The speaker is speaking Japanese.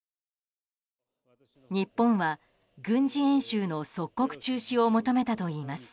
日本は軍事演習の即刻中止を求めたといいます。